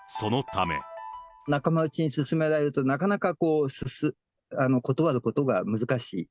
仲間内に勧められると、なかなか断ることが難しい。